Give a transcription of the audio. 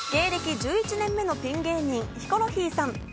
１１年目のピン芸人・ヒコロヒーさん。